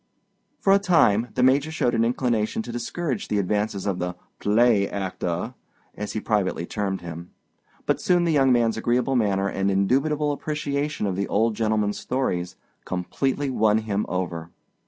For a time the Major showed an inclination to discourage the advances of the "play actor," as he privately termed him; but soon the young man's agreeable manner and indubitable appreciation of the old gentleman's stories completely won him over.